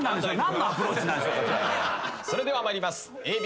それでは参ります。